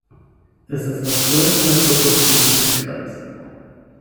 Es ist das größte Naturschutzgebiet im Kreis.